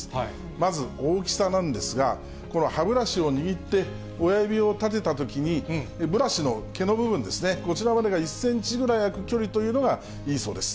まず、大きさなんですが、この歯ブラシを握って親指を立てたときに、ブラシの毛の部分ですね、こちらが１センチぐらい空く距離というのがいいそうです。